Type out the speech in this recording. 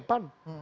banyak orang tanya